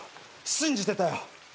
信じてたよ。